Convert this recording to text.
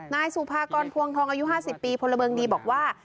นายสุภากรพวงทองอายุ๕๐ปีพลเมืองดีบอกว่า